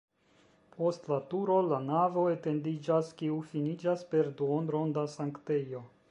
Post la turo la navo etendiĝas, kiu finiĝas per duonronda sanktejo.